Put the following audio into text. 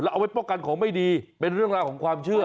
เอาไว้ป้องกันของไม่ดีเป็นเรื่องราวของความเชื่อ